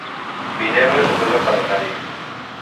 Vinebre es un bon lloc per anar-hi